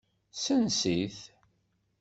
Sens-it.